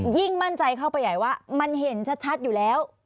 มั่นใจเข้าไปใหญ่ว่ามันเห็นชัดอยู่แล้ว